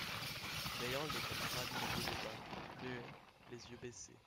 D'ailleurs, les camarades ne bougeaient pas, muets, les yeux baissés.